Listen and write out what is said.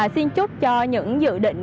xin chúc cho những dự định